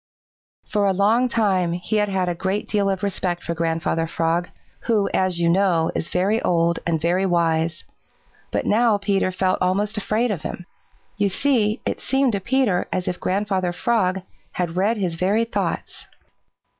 For a long time he had had a great deal of respect for Grandfather Frog, who, as you know, is very old and very wise, but now Peter felt almost afraid of him. You see, it seemed to Peter as if Grandfather Frog had read his very thoughts.